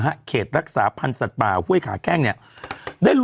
ยังไงยังไงยังไงยังไง